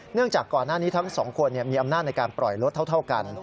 จากก่อนหน้านี้ทั้งสองคนมีอำนาจในการปล่อยรถเท่ากัน